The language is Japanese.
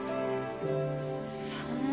そんな。